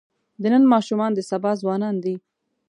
د نن ماشومان د سبا ځوانان دي.